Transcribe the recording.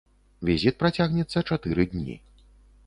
Візіт працягнецца чатыры дні.